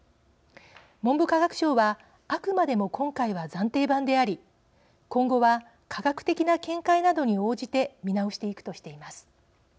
文部科学省はあくまでも今回は暫定版であり今後は科学的な見解などに応じて見直していくとしています。